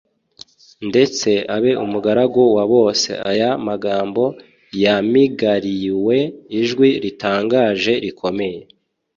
ndetse abe umugaragu wa bose. » Aya magambo yamigariywe ijwi ritangaje rikomeye,